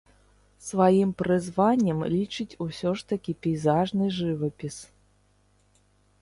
Сваім прызваннем лічыць усё ж такі пейзажны жывапіс.